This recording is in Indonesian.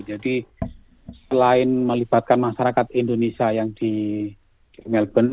jadi selain melibatkan masyarakat indonesia yang di melbourne